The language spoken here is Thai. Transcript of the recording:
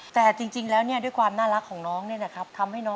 แต่จริงแล้วด้วยความน่าลักของนู้น